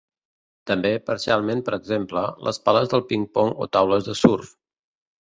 També, parcialment per exemple, les pales del ping-pong o taules de surf.